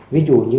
ví dụ như